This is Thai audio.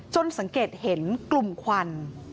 สังเกตเห็นกลุ่มควัน